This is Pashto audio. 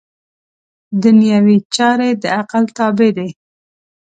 دنیوي چارې د عقل تابع دي.